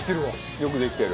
よくできてる。